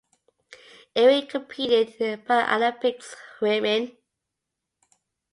Aere competed in Paralympic swimming.